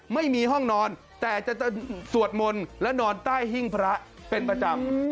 ไม่มีห้องนอนแต่จะสวดมนต์และนอนใต้หิ้งพระเป็นประจำ